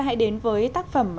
hãy đến với tác phẩm